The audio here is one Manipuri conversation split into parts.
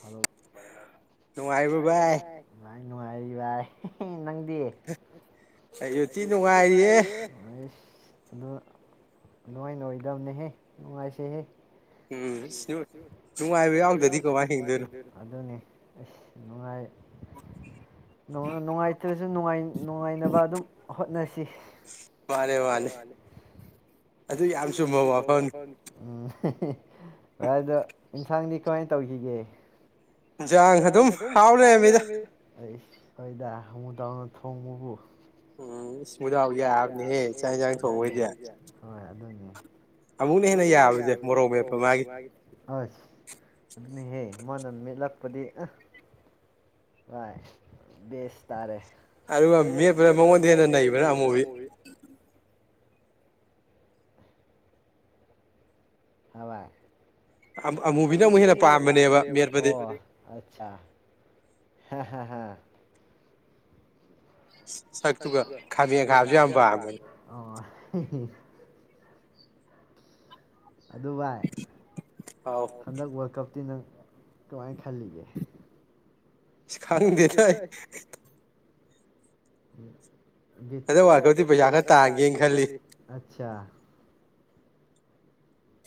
ꯍꯂꯣ ꯅꯨꯡꯉꯥꯏꯔꯤꯕꯣ ꯚꯥꯏ ꯉꯥꯏ [unintelligible] ꯑꯩ ꯅꯨꯡꯉꯥꯏꯔꯤ ꯚꯥꯏ ꯍꯍꯦ ꯅꯪꯗꯤ ꯑꯩꯖꯨ ꯊꯤ ꯅꯨꯡꯉꯥꯏꯔꯤꯌꯦ ꯍꯩꯁ ꯑꯗꯨ ꯅꯣꯏꯅꯣꯏꯗꯝꯅꯦꯍꯦ [unintelligible] ꯅꯨꯡꯉꯥꯏꯁꯦꯍꯦ ꯎꯝ ꯁꯤ ꯅꯨꯡꯉꯥꯏꯕ ꯌꯥꯎꯗꯗꯤ ꯀꯃꯥꯏ ꯀꯃꯥꯏ ꯍꯤꯡꯗꯣꯏꯅꯣ ꯑꯗꯨꯅꯦ ꯑꯁ ꯅꯨꯡꯉꯥꯏ ꯅꯣꯉꯥ ꯅꯨꯡꯉꯥꯏꯇ꯭ꯔ ꯁꯨ ꯅꯨꯡꯉꯥꯏꯅꯕ ꯑꯗꯨꯝ ꯍꯣꯠꯅꯁꯤ ꯃꯥꯅꯦꯦ ꯃꯥꯅꯦꯦ ꯑꯗꯨ ꯌꯥꯝ ꯆꯨꯝꯕ ꯋꯥꯐꯝ ꯋꯥ ꯑꯗꯨ ꯏꯟꯁꯥꯡꯒꯤ ꯀꯨꯃꯥꯏꯅ ꯇꯧꯈꯤꯒꯦ ꯟꯖꯥꯡ ꯑꯗꯨꯝ ꯍꯥꯎ ꯂꯩꯔꯃꯤꯗ ꯍꯣꯏꯗ ꯑꯃꯨ ꯇꯧꯅ ꯊꯣꯡꯃꯨꯕꯨ ꯑ ꯄꯨꯗꯒ ꯆ ꯑꯣꯏ ꯑꯃꯨꯛꯅ ꯍꯦꯟꯅ ꯌꯥꯕꯁꯦ ꯃꯣꯔꯣꯛ ꯃꯦꯞꯄ ꯃꯥꯒꯤ ꯅꯍꯦ ꯃꯥꯅ ꯃꯠꯂꯛꯄꯗꯤ ꯑ ꯚ ꯕꯦꯁ ꯇꯥꯔꯦ ꯑꯗꯨꯒ ꯃꯦꯄ ꯃꯉꯣꯟꯗ ꯍꯦꯟꯅ ꯅꯩꯕ꯭ꯔ ꯑꯃꯨꯕꯤ ꯍꯋꯥꯏ ꯑꯃꯨꯕꯤꯅ ꯑꯃꯨꯛ ꯍꯦꯟꯅ ꯄꯥꯝꯕꯅꯦꯕ ꯍ ꯁꯠꯒꯣ ꯈꯥꯕꯤ ꯈꯥꯗ [inaudible] ꯑꯗꯨ ꯚꯏ ꯍꯟꯗꯛ ꯋꯥ ꯀꯞ ꯅꯪ ꯀꯃ ꯈꯥꯟꯗꯅ ꯎꯝ ꯑꯗꯨꯗ ꯋꯥꯗꯗꯤ ꯄꯩꯖꯥꯅ ꯇꯥꯡꯒꯦꯅ ꯈꯜꯂꯤ ꯑꯆꯥ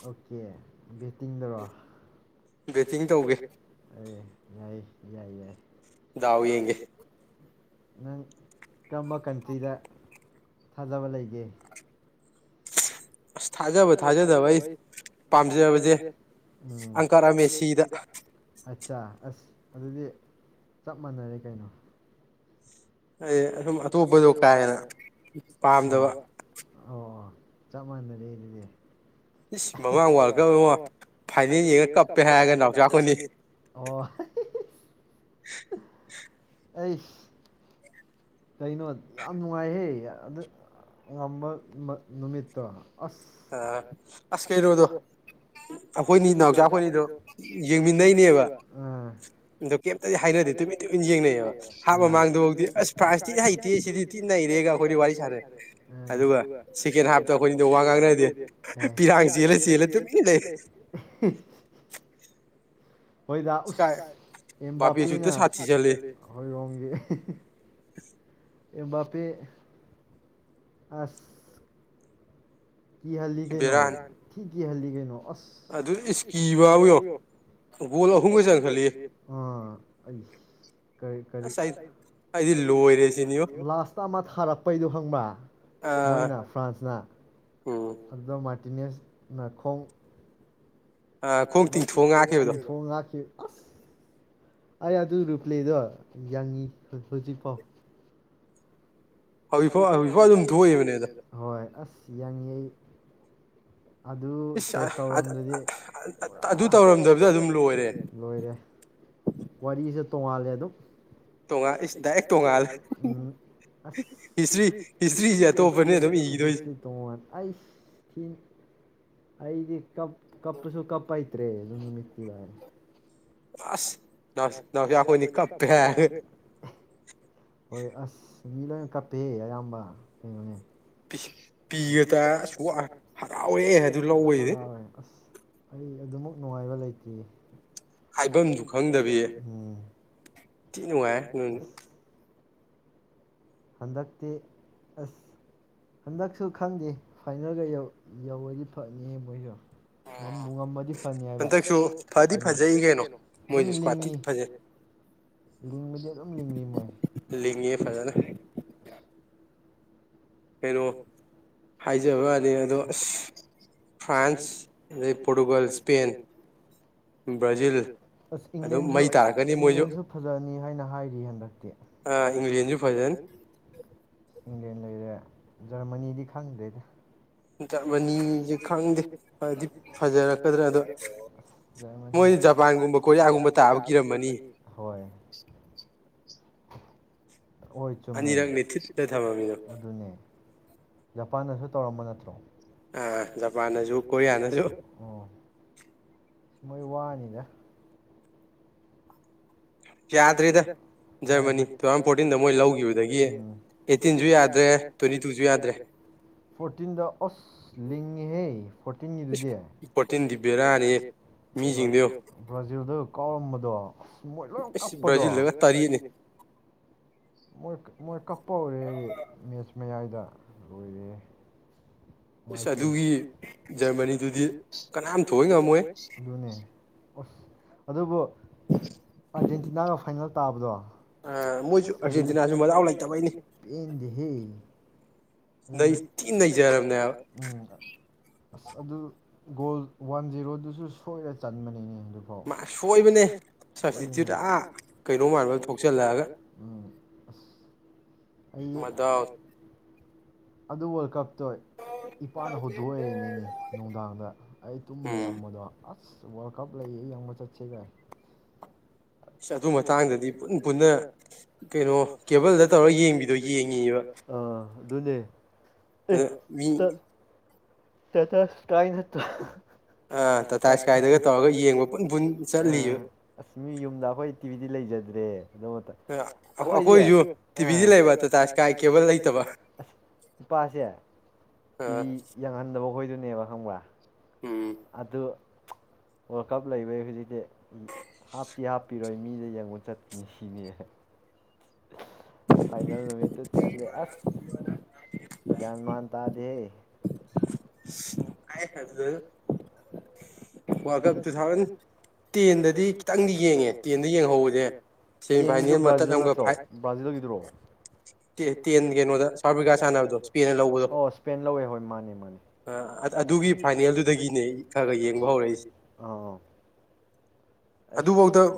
ꯑꯣꯀꯦ ꯕꯦꯠꯇꯤꯡꯗꯔꯣ ꯦꯇꯤꯡ ꯇꯧꯒꯦ ꯌꯥꯏ ꯌꯥꯏ ꯌꯥꯏ ꯌꯥꯎ ꯌꯦꯒꯦ ꯅꯪ ꯀꯔꯝꯕ ꯀꯟꯇ꯭ꯔꯤꯗ ꯊꯥꯖꯕ ꯂꯩꯒꯦ ꯑꯁ ꯊꯥꯖꯕ ꯊꯥꯖꯗꯕ ꯑꯩ ꯄꯥꯝꯖꯕꯁꯦ ꯑꯪꯀꯥꯁꯤꯗ ꯑꯁ ꯑꯗꯨꯗꯤ ꯆꯞ ꯃꯥꯟꯅꯔꯦ ꯀꯩꯅꯣ ꯑꯩ ꯁꯨꯝ ꯑꯇꯣꯞꯄꯗꯣ ꯀꯥ ꯍꯦꯟꯅ ꯄꯥꯝꯗꯕ ꯑꯣ ꯆꯞ ꯃꯥꯟꯅꯔꯦ ꯑꯗꯨꯗꯤ ꯏꯁ ꯃꯃꯥꯡ ꯋꯥꯔꯜ ꯀꯞ ꯑꯃ ꯐꯥꯏꯅꯦꯜ ꯌꯦꯡꯉ ꯀꯞꯄꯦ ꯍꯥꯏꯔꯒ ꯅꯥꯎꯆꯥ ꯈꯣꯏꯅꯤ ꯑꯩꯁ ꯀꯩꯅꯣ ꯌꯥꯝ ꯅꯨꯡꯉꯥꯏꯍꯦ ꯑꯗꯨ ꯉꯝꯕ ꯃ ꯅꯨꯃꯤꯠꯇꯣ ꯑ ꯑꯁ ꯀꯩꯅꯣꯗꯣ ꯑꯩꯈꯣꯏꯅꯤ ꯅꯥꯎꯆꯥꯥꯛ ꯑꯩꯈꯣꯏꯅꯤꯗꯣ ꯌꯦꯡꯃꯤꯟꯅꯩꯅꯦꯕ ꯑꯗꯣ ꯀꯩꯝꯇꯗꯤ ꯍꯥꯏꯅꯗꯦ ꯇꯨꯃꯤꯟ ꯇꯨꯃꯤꯟ ꯌꯦꯡꯅꯩꯌꯦꯕ ꯍꯥꯞ ꯃꯃꯥꯡꯗꯐꯥꯎꯗꯤ ꯑꯁ ꯐꯁ ꯊꯤ ꯍꯩꯇꯦ ꯁꯤꯗꯤ ꯊꯤ ꯅꯩꯔꯦꯒ ꯑꯩꯈꯣꯏꯗꯤ ꯋꯥꯔꯤ ꯁꯥꯟꯅꯩ ꯑꯗꯨꯒ ꯁꯦꯀꯦꯟ ꯍꯥꯞꯇ ꯑꯩꯈꯣꯏꯅꯤꯗꯣ ꯋꯥꯥ ꯉꯥꯡꯅ ꯄꯤꯔꯥꯡ ꯆꯦꯜꯂ ꯆꯦꯜꯂ ꯇꯨꯃꯤꯟꯅ ꯂꯩ ꯍꯣꯏꯗ ꯎꯁ ꯄꯤꯅ ꯍꯣꯏꯔꯣꯡꯒꯤ ꯕꯄꯦ ꯑꯁ ꯀꯤ ꯍꯜꯂꯤ ꯀꯩꯅꯣ ꯀꯍꯜꯂꯤ ꯀꯩꯅꯣ ꯀꯤꯕꯥꯕꯨ ꯌꯦꯉꯣ ꯕꯣꯜ ꯑꯍꯨꯃꯒ ꯆꯪꯈꯠꯂꯛ ꯑꯦ ꯑꯩꯁ ꯀꯔꯤ ꯀꯔꯤ ꯑꯩꯗꯤ ꯂꯣꯏꯔꯦꯁꯤꯅꯤ ꯂꯥꯁ ꯇ ꯑꯃꯥ ꯊꯥꯔꯛꯄꯩꯠꯣ ꯈꯪꯕꯌꯥ ꯃꯣꯏꯅ ꯐ꯭ꯌꯜꯁ ꯅ ꯑꯗꯨꯗꯝꯝ ꯃꯥꯇꯤꯅꯦꯁ ꯅꯥꯈꯣꯡ ꯊꯣꯡ ꯑꯁ ꯑꯩ ꯑꯗꯨ ꯔꯨꯄ꯭ꯂꯦꯗꯣ ꯌꯥꯡꯉꯤ ꯍꯧꯖꯤꯛꯐꯥꯎ ꯍꯣꯏ ꯑꯁ ꯌꯥꯡꯉ ꯑꯩ ꯑꯗꯨ ꯁꯦꯐ ꯇꯧꯔꯝꯗ꯭ꯔꯗꯤ ꯄꯨꯔꯥ ꯇꯧꯔꯝꯗꯕ ꯂ ꯂꯣꯏꯔꯦ ꯋꯥꯔꯤꯁꯨ ꯇꯣꯉꯂꯦ ꯑꯗꯨꯣ ꯇꯣꯉꯥꯜꯂꯤꯁꯤꯗꯥ ꯍꯦꯛ ꯇꯣꯉꯥꯂꯦ ꯎ ꯑꯁ ꯍꯤꯁꯇ꯭ꯔꯤ ꯍꯤꯁꯇ꯭ꯔꯤꯁꯤ ꯇꯣꯡꯅꯤ ꯑꯗꯨꯝꯔꯣꯏꯅꯤ ꯇꯣꯡꯉ ꯑꯩ ꯑꯩꯗꯤ ꯀꯞ ꯀꯞꯄꯁꯨ ꯀꯞꯄ ꯍꯩꯇ꯭ꯔꯦ ꯑꯗꯨ ꯅꯨꯃꯤꯠꯇꯤ ꯚꯏ ꯑꯁ ꯅ ꯅ ꯌꯥꯈꯣꯏꯅꯤ ꯀꯞꯄ ꯍꯥꯏ ꯍꯣꯏ ꯑꯁ ꯃꯤ ꯂꯣꯏꯅ ꯀꯞꯄꯦꯦ ꯑꯌꯥꯝꯕ ꯀꯩꯅꯣꯅꯦ ꯄꯤꯒꯗ ꯍꯔꯥꯎꯋꯦ ꯍꯥꯏ ꯂꯧꯋ ꯑꯁ ꯑꯩ ꯑꯗꯨꯃꯛ ꯅꯨꯡꯉꯥꯏꯕ ꯂꯩꯇ꯭ꯔꯤ ꯍꯥꯏꯐꯝꯗꯨ ꯈꯪꯗꯕꯤꯌꯦ ꯅꯨꯡꯉꯥꯏ ꯍꯟꯗꯛꯇꯤ ꯑꯁ ꯍꯟꯗꯛꯁꯨ ꯈꯪꯗꯦ ꯐꯥꯏꯅꯦꯜꯒ ꯌꯧꯕꯗꯤ ꯐꯅꯤ ꯃꯣꯏꯁꯨ ꯉꯕꯨ ꯉꯝꯕꯗꯤ ꯐꯅꯤ ꯍꯥꯏꯕꯟꯕꯗꯤ ꯑꯗꯨꯝ ꯂꯤꯡꯉꯤ ꯃꯣꯏ ꯌꯥ ꯀꯩꯅꯣ ꯍꯥꯏꯖꯕ ꯌꯥꯔꯦ ꯑꯗꯣ ꯑꯁ ꯐ꯭ꯔꯥꯟꯁ ꯑꯗꯩ ꯄꯣꯔꯇꯨꯒꯜ ꯏꯁꯄꯦꯟ ꯕ꯭ꯔꯥꯖꯤꯜ ꯑꯪꯂꯦꯟ ꯐꯅꯤ ꯍꯥꯏꯅ ꯍꯥꯏꯔꯤ ꯍꯟꯗꯛꯇꯤ ꯏꯦꯟꯁꯨ ꯐꯖꯅꯤ ꯏꯤꯡꯗꯦꯟ ꯂꯩꯔꯦ ꯖꯔꯃꯅꯤꯗꯤ ꯈꯪꯗ꯭ꯔꯦꯗ ꯖꯔꯃꯅꯤꯁꯦ ꯈꯪꯗꯦꯗꯤ ꯐꯖꯔꯀꯗ꯭ꯔꯦ ꯑꯗꯣ ꯃꯣꯏ ꯖꯄꯥꯟꯒꯨꯝꯕ ꯀꯣꯔꯤꯌꯥꯒꯨꯝꯕ ꯇꯥꯕ ꯀꯤꯔꯝꯃꯅꯤ ꯍꯣꯏ ꯆꯨꯝꯃꯦ ꯑꯗꯨꯅꯦ ꯖꯄꯥꯟꯗꯁꯨ ꯇꯧꯔꯝꯕ ꯅꯠꯇ꯭ꯔꯣ ꯑꯥ ꯖꯄꯥꯟꯁꯨ ꯀꯣꯔꯤꯌꯥ ꯅꯁꯨꯁꯨ ꯁꯤ ꯃꯣꯏ ꯋꯥꯅꯤꯅ ꯌꯥꯗ꯭ꯔꯦꯗꯖꯔ ꯐꯇꯤꯟ ꯂꯧ ꯌꯥꯗ꯭ꯔꯦ꯭ꯁꯉꯍ ꯗꯣ ꯃꯣꯏꯂꯣꯡ ꯕ꯭ꯔꯥꯖꯤꯜꯗꯒ ꯇꯥꯔꯤꯅꯤ ꯃꯣꯏ ꯃꯣꯏ ꯀꯞꯄ ꯍꯧꯔꯦ ꯑꯩ ꯃꯦꯠꯆ ꯃꯌꯥꯏꯗ ꯂꯣꯏꯔꯦ ꯑꯁ ꯑꯗꯨꯒꯤ ꯖꯔꯃꯅꯤꯗꯨꯗꯤ ꯀꯅꯥꯝ ꯊꯣꯛꯏ ꯉꯝꯃꯣꯏ ꯑꯁ ꯑꯗꯨꯕꯨ ꯑꯔꯖꯦꯟꯇꯤꯅꯥꯒ ꯐꯥꯏꯟꯜ ꯇꯥꯕꯗ ꯣꯏ ꯂꯩꯇꯕꯅꯦ ꯄꯦꯟꯍꯦꯖꯔꯝ ꯎꯝ ꯑꯁ ꯑ ꯑꯗꯨ ꯒꯣꯜ ꯋꯥꯟ ꯖꯦꯔꯣꯗꯨꯁꯨ ꯁꯣꯏꯔ ꯆꯟꯕꯅꯤꯅꯦ ꯍꯥꯏ ꯁꯣꯏꯕꯅꯦꯗ ꯀꯩꯅꯣꯃꯥꯏ ꯊꯣꯛꯆꯜꯂꯛꯑꯒ [unintelligible] ꯑ ꯑ ꯑꯗꯨ ꯋꯥꯋꯔꯜꯗ ꯀꯞꯇ ꯏꯄꯥꯅ ꯍꯧꯗꯣꯛꯔꯛꯏꯅꯦꯅꯦ ꯅꯨꯡꯗꯥꯡꯗ ꯑꯩ ꯇꯨꯝ ꯂꯩꯔꯝꯕꯗꯣ ꯑꯁ ꯋꯥꯔꯜ ꯀꯄ ꯂꯩ ꯌꯥꯝꯁꯆꯦꯒ ꯑꯗꯨ ꯃꯇꯥꯡꯗꯗꯤ ꯄꯨ ꯄꯨꯟꯅ ꯀꯩꯅꯣ ꯀꯦꯕꯜꯗ ꯇꯧꯔꯒ ꯌꯦꯡꯕꯤꯗꯣ ꯌꯦꯡꯉꯕ ꯑꯗꯨꯅꯦ ꯑ ꯃꯤ ꯇ ꯆ ꯀꯥꯏ ꯅꯠꯇ ꯑꯁ ꯃꯤ ꯌꯨꯝꯗ ꯑꯩꯈꯣꯏ ꯇꯤꯚꯗꯤ ꯂꯩꯖꯗꯦ ꯇꯦ ꯑꯩꯈꯣꯏꯇ ꯑ ꯅꯨꯄꯥꯁꯦ ꯇꯤꯚ ꯈꯪꯗꯕ ꯈꯈꯣꯏꯗꯨꯅꯦꯕ ꯈꯪꯕ꯭ꯔꯥ ꯑ ꯋꯥꯔꯜ ꯀꯞ ꯂꯩꯕꯩ ꯍꯧꯖꯤꯛꯇꯤ ꯍꯥꯞꯇꯤ ꯍꯥꯞꯄꯤꯔꯣꯏ ꯃꯤꯗ ꯌꯦꯡꯕ ꯆꯠꯀꯅꯤ ꯁꯤꯅꯦ ꯐꯥꯏꯅꯜ ꯅꯨꯠꯇ ꯆꯠꯂꯦ ꯑꯁ ꯒꯌꯥꯟ ꯃꯥꯟ ꯇꯗꯍꯦ ꯀꯥꯏ ꯍꯖ ꯇꯨ ꯊꯥꯎꯖꯟ ꯇꯦꯟꯗꯗꯤ ꯈꯤꯇꯪꯗꯤ ꯌꯦꯡꯉꯦ ꯇꯦꯟꯗ ꯌꯦꯡꯍꯧꯕꯁꯦ ꯇꯦꯟꯒꯤꯗꯨ ꯕ꯭ꯔꯥꯖꯤꯜ ꯅꯠꯇ꯭ꯔꯣ ꯕ꯭ꯔꯥꯖꯤꯜꯒꯤꯗꯨꯔꯣ ꯇꯦꯟ ꯇꯦꯟꯒꯤ ꯀꯩꯅꯣ ꯁꯥꯎꯐꯔꯤꯀꯥ ꯁꯟꯅꯕꯗꯤ ꯁꯄꯦꯟꯅ ꯂꯧꯕꯗꯣ ꯁꯄꯦꯟ ꯂꯧꯋꯦ ꯍꯣꯏ ꯃꯅꯦ ꯃꯅꯦ ꯑ ꯑꯗꯨꯒꯤ ꯐꯥꯏꯅꯦꯜꯗꯨꯗꯒꯤꯅꯦ ꯑꯩ ꯈꯔ ꯈ ꯌꯦꯡꯕ ꯍꯧꯔꯛꯏꯁꯦ ꯑꯁ ꯑꯗꯨꯐꯥꯎꯗ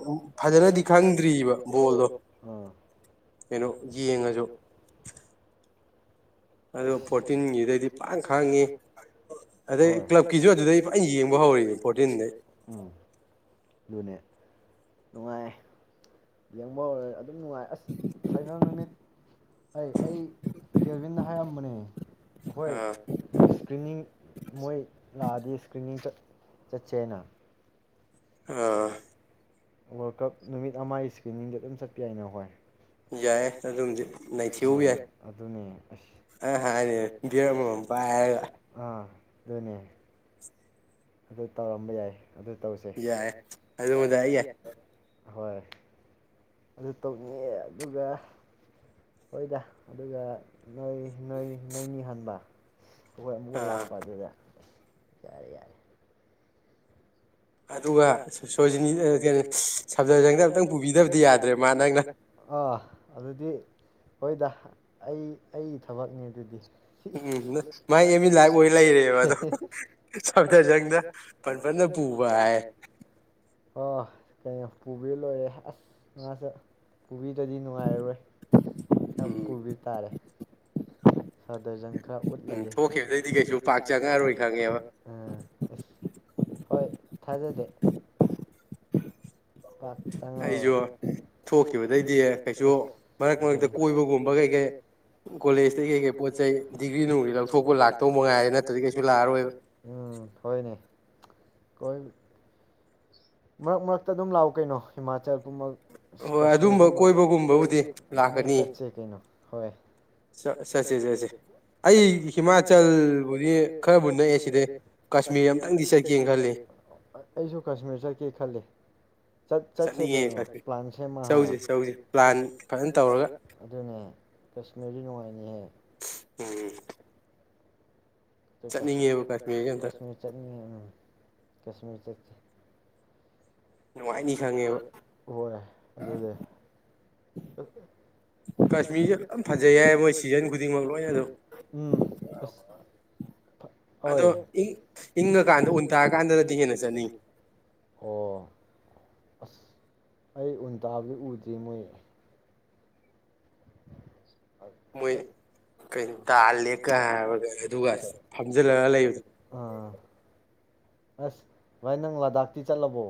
ꯐꯖꯅꯗꯤ ꯈꯪꯗ꯭ꯔꯤꯕꯔꯤꯕ ꯕꯣꯜꯗꯣ ꯑ ꯀꯩꯅꯣ ꯌꯦꯡꯉꯁꯨ ꯑꯗꯨ ꯐꯣꯔꯇꯤꯟꯒꯤꯗꯩꯗꯤ ꯐꯅ ꯈꯥꯡꯉꯤ ꯀ꯭ꯂꯕꯀꯤꯁꯨ ꯑꯗꯨꯗꯩ ꯐꯖꯅ ꯌꯦꯡꯕ ꯍꯧꯔ ꯐꯣꯔꯇꯤꯟꯗꯩ ꯅꯨꯡꯉꯥꯏ ꯌꯦꯡꯕ ꯑꯣꯏꯔ ꯑꯗꯨꯝ ꯅꯨꯡꯉꯥꯏ ꯑꯁ ꯐꯥꯏꯅꯦꯜ ꯅꯨꯃꯤꯠ ꯑꯩ ꯑꯩ ꯀꯦꯜꯕꯤꯟ ꯍꯔꯝꯕꯅꯦ ꯍꯣꯏ ꯏꯁꯀ꯭ꯔꯤꯅꯤꯡ ꯃꯣꯏ ꯂꯥꯛꯑꯗꯤ ꯏꯁꯀ꯭ꯔꯤꯅꯤꯡꯗ ꯆꯠꯆꯦꯅ ꯑ ꯋꯥꯔꯜ ꯀꯞ ꯅꯨꯃꯤꯠ ꯑꯃꯒꯤ ꯏꯁꯀ꯭ꯔꯤꯅꯤꯡꯗ ꯑꯗꯨꯝ ꯆꯠꯄ ꯌꯥꯏꯅ ꯍꯣꯏ ꯌꯥꯏ ꯑꯗꯨꯝꯗꯤ ꯅꯩꯈꯤꯕ ꯌꯥꯏ ꯑꯗꯨꯅꯦ ꯑꯁ ꯑ ꯍꯥꯏꯅꯤ ꯕꯤꯌꯔ ꯑꯃ ꯃꯝ ꯄꯦꯏꯗ ꯑ ꯑꯗꯨꯅꯦ ꯑꯗꯨ ꯇꯧꯔꯝꯕ ꯌꯥꯏ ꯑꯗꯨ ꯇꯧꯁꯦ ꯌꯥꯏ ꯑꯗꯨ ꯃꯗ ꯑꯩ ꯌꯥ ꯑꯍꯣꯏ ꯑꯗꯨ ꯇꯧꯅꯤꯡꯑ ꯑꯗꯨꯒ ꯍꯣꯏꯗ ꯑꯗꯨꯒ ꯅꯣꯏ ꯅꯣꯏ ꯅꯣꯏ ꯅꯤ ꯍꯥꯟꯕ ꯍꯈꯣꯏ ꯑꯃꯨꯛꯀ ꯂꯥꯛꯄ ꯑꯗꯨꯗ ꯌꯥꯔꯦ ꯌꯥꯔꯦ ꯑꯗꯨꯒ ꯑꯪꯕꯤꯗꯕꯗꯤ ꯌꯥꯗ꯭ꯔꯦ ꯃꯥ ꯅꯪꯅ ꯑ ꯑꯗꯨꯗꯤ [inaudible] ꯍꯣꯏꯗ ꯑꯩ ꯑꯩꯒꯤ ꯊꯕꯛꯅꯦ ꯑꯗꯨꯗꯤ ꯎꯝ ꯎꯝ ꯃꯥꯏ ꯑꯦꯝꯃꯤꯟ ꯂꯥꯏꯛ ꯑꯣꯏ ꯂꯩꯔꯦꯕ ꯑꯗꯣ ꯁꯕꯗꯔꯖꯟꯗ ꯄꯟ ꯐꯅ ꯄꯨꯕ ꯍꯥꯏ ꯑꯣ ꯀꯩꯅꯣ ꯄꯨꯕꯤ ꯂꯣꯏꯔꯦ ꯑꯁ ꯉꯁꯦ ꯄꯨꯕꯤꯗꯗꯤ ꯅꯨꯡꯉꯥꯏꯔꯔꯣꯏ ꯈꯔ ꯄꯨꯕꯤ ꯇꯥꯔꯦ ꯁꯥ ꯗꯔꯖꯟ ꯈꯔ ꯎꯠꯂꯒꯦ ꯑꯣꯦ ꯑꯗꯨꯗꯩꯗꯤ ꯀꯩꯁꯨ ꯄꯥꯛ ꯆꯉꯔꯣꯏ ꯈꯪꯉꯦꯕ ꯎꯝ ꯑ ꯍꯣꯏ ꯊꯥꯖꯗꯦ ꯊꯣꯛꯈꯤꯕꯗꯩꯗꯤ ꯃꯔꯛꯇ ꯀꯣꯏꯕꯒꯨꯝꯕ ꯀꯩꯀꯩ ꯀꯣꯂꯦꯖꯇꯩ ꯀꯩꯀꯩ ꯄꯣꯠ ꯆꯩ ꯗꯤ꯭ꯒꯔꯤ ꯅꯨꯡꯒꯔ꯭ꯤ ꯂꯧꯊꯣꯛꯄ ꯂꯥꯛꯧꯕ ꯃꯉꯥꯏꯔꯦ ꯅꯠꯇ꯭ꯔꯗꯤ ꯀꯩꯁꯨ ꯂꯥꯛꯑꯔꯣꯏꯕ ꯎꯝ ꯍꯣꯏꯅꯦ ꯀꯣꯏ ꯃꯔꯛ ꯃꯔꯛꯇ ꯑꯗꯨꯝ ꯂꯥꯛꯑꯣ ꯀꯩꯅꯣ ꯍꯤꯃꯥꯆꯜ ꯠ ꯆ ꯑꯩ ꯍꯤꯃꯥꯆꯜꯕꯨꯗꯤ ꯈꯔꯕꯨ ꯅꯛꯑꯦ ꯁꯤꯗꯦ ꯀꯥꯁꯃꯤꯔ ꯑꯇꯪꯗꯤ ꯆꯠꯀꯦꯅ ꯈꯜꯂꯤ ꯑꯩꯁꯨ ꯀꯥꯁꯃꯤꯔ ꯅ ꯆꯠ ꯆꯠꯁꯦ ꯀꯩꯅꯣ ꯄ꯭ꯂꯥꯟ ꯁꯦꯝꯃ ꯑꯗꯨꯅꯦ ꯀꯁꯃꯤꯔꯗꯤ ꯅꯨꯉꯥꯏꯅꯤꯍꯦ ꯎꯝ ꯀꯁ ꯀꯥꯁꯃꯤꯔ ꯆꯠꯅꯤꯉꯤ ꯀꯁꯃꯤꯔ ꯆꯠꯁꯦ ꯅꯨꯡꯉꯥꯏꯅꯤ ꯈꯪꯉꯦꯕ ꯍꯣꯏꯣꯏ ꯑꯗꯨꯅꯦ ꯀꯥꯁꯃꯤꯔꯁꯦ ꯐꯖꯩ ꯌꯥꯏ ꯃꯣꯏ ꯁꯤꯖꯟ ꯈꯨꯗꯤꯡꯃꯛ ꯂꯣꯏꯅ ꯑꯗꯨꯝ ꯎꯝ ꯑꯁ ꯍꯣꯏꯣꯏꯪ ꯏꯪꯉꯀꯥꯟꯗ ꯎꯟ ꯇꯥꯔꯀꯥꯟꯗꯗꯗꯤ ꯍꯦꯟꯅ ꯆꯠꯅꯤ ꯑꯣ ꯑꯁ ꯑꯩ ꯎꯟꯇꯥꯕꯗꯤ ꯎꯗ꯭ꯔꯤ ꯃꯣꯏ ꯃꯣꯏ ꯀꯩꯅ ꯇꯥꯜꯂꯦꯀ ꯍꯥꯏꯕꯒ ꯑꯗꯨꯒ ꯐꯝꯖꯤꯜꯂꯒ ꯂꯩꯕꯗꯣ ꯑꯁ ꯚꯥꯏ ꯅꯪ ꯂꯥꯗꯥꯛꯇꯤ ꯆꯠꯂꯕꯣ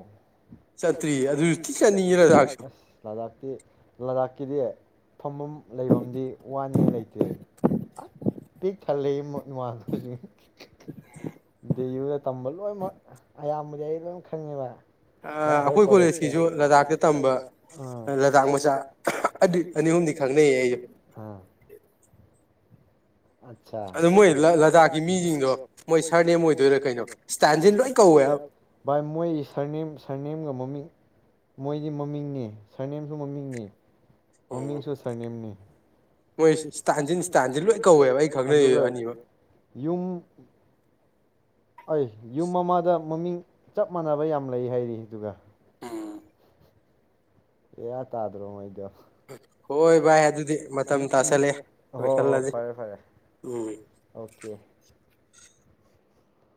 ꯆ꯭ꯇꯔꯤ ꯑꯗꯨꯖꯨ ꯆꯥꯠꯅꯤꯉꯦ ꯂꯥꯗꯥꯛꯇꯥ ꯀꯗꯤ ꯐꯝꯐꯝ ꯂꯩꯐꯝꯗꯤ ꯋꯥꯅꯤꯡꯉꯥꯏ ꯂꯩꯇꯦ ꯑꯁ ꯄꯤꯛ ꯊꯜꯜꯂꯤ ꯏꯃꯥꯟꯅꯕꯁꯤꯡ [inaudible] ꯗ ꯌꯨꯗ ꯇꯝꯕ ꯂꯣꯏꯅꯃꯛ ꯑꯌꯥꯝꯕꯗꯤ ꯑꯩ ꯂꯣꯏꯅ ꯈꯪꯉꯦꯕ ꯁꯨ ꯂꯥꯗꯥꯛꯇ ꯇꯝꯕ ꯂꯥꯗꯥꯛ ꯃꯆꯥ ꯑꯗꯨ ꯑꯅꯤ ꯑꯍꯨꯝꯗꯤ ꯈꯪꯅꯩꯌꯦ ꯑꯩꯁꯨ ꯑꯠꯆꯥ ꯑꯗꯨ ꯃꯣꯏ ꯂꯗꯥꯛꯀꯤ ꯃꯤꯁꯤꯡꯗꯣ ꯃꯣꯏ ꯁꯥꯔꯅꯦꯝ ꯑꯣꯏꯗꯣꯏꯔꯥ ꯀꯩꯅꯣ ꯏꯁꯇꯁꯤ ꯂꯣꯏ ꯀꯧꯋꯦ ꯚꯥꯏ ꯃꯣꯏ ꯁꯥꯔꯅꯦꯝ ꯁꯥꯔꯅꯦꯝꯒ ꯃꯃꯤꯡ ꯃꯣꯏꯗꯤ ꯃꯃꯤꯡꯅꯤ ꯁꯔꯅꯦꯝꯁꯨ ꯃꯃꯤꯡꯅꯤ ꯃꯃꯤꯡꯁꯨ ꯁꯔꯅꯦꯝꯅꯤ ꯍꯣꯏꯥꯟꯁꯤ ꯂꯣꯏ ꯀꯧꯋꯦꯕ ꯌꯨꯝ ꯑꯩ ꯌꯨꯝ ꯑꯃꯗ ꯃꯃꯤꯡ ꯆꯞ ꯃꯥꯟꯅꯕ ꯌꯥꯝ ꯂꯩ ꯍꯥꯏꯔꯤ ꯑꯗꯨꯒ ꯑꯦ ꯌꯥ ꯇꯥꯗꯔꯣ ꯃꯥꯏꯗ ꯍꯣꯏ ꯚꯥꯏ ꯑꯗꯨꯗꯤ ꯃꯇꯝꯠ ꯍꯣ ꯍꯣ ꯐꯔꯦ ꯐꯔꯦ ꯑꯣꯦ